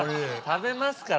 食べますから。